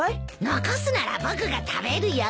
残すなら僕が食べるよ。